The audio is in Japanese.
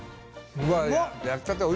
うわ！